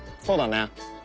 そうだね。